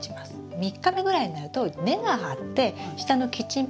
３日目ぐらいになると根が張って下のキッチンペーパーに絡むんです。